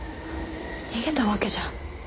逃げたわけじゃ。